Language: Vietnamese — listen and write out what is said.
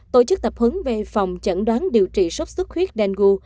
tổ chức tập hứng về phòng chẩn đoán điều trị sốt xuất huyết dengu